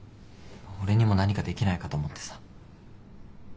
俺にも何かできないかと思ってさ。